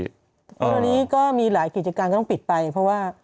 ตอนนี้ก็มีหลายกิจการก็ต้องปิดไปเพราะว่า